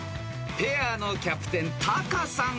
［ペアのキャプテンタカさん